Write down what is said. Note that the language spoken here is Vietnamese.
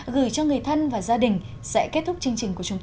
gửi cho người thân của việt nam